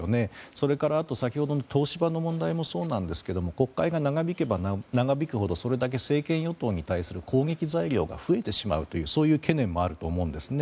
それから、先ほどの東芝の問題もそうなんですけども国会が長引けば長引くほどそれだけ政権与党に対する攻撃材料が増えてしまうというそういう懸念もあると思うんですね。